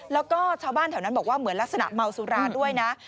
แล้วก็ชาวบ้านแถวนั้นบอกว่าเหมือนลักษณะเมาสุราด้วยนะ